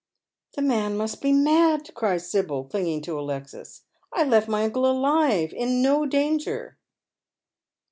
The man must be mad," cries Sibyl, clinging to Alexis. " I left my uncle alive — in no danger."